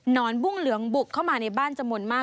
อนบุ้งเหลืองบุกเข้ามาในบ้านจำนวนมาก